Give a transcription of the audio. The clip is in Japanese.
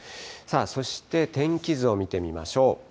そして天気図を見てみましょう。